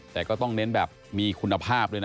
แต่ก็ต้องเน้นแบบมีคุณภาพด้วยนะ